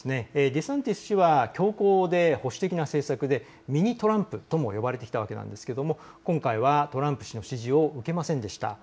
デサンティス氏は強硬で保守的な政策でミニトランプとも呼ばれてきたわけなんですが今回はトランプ氏の支持を受けませんでした。